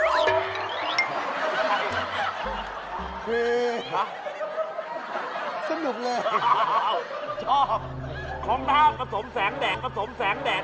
เออให้เดี๋ยวดูว่าเถอะ